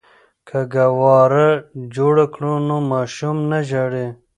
که ګهواره جوړه کړو نو ماشوم نه ژاړي.